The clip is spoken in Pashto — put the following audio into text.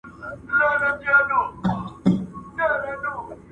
چیرته کولای سو پراختیایي پروژه په سمه توګه مدیریت کړو؟